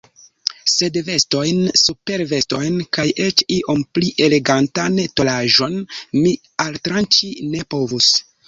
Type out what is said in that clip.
Sed vestojn, supervestojn kaj eĉ iom pli elegantan tolaĵon mi altranĉi ne povus.